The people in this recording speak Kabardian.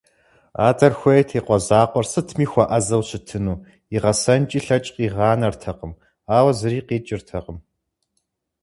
Адэр хуейт и къуэ закъуэр сытми хуэӀэзэу щытыну, игъэсэнкӀи лъэкӀ къигъанэртэкъым, ауэ зыри къикӀыртэкъым.